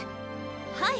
はい。